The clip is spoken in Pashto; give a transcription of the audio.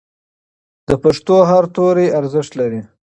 د پښتو هر توری ارزښت لري.